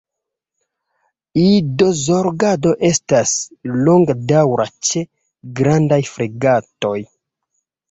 Idozorgado estas longdaŭra ĉe Grandaj fregatoj.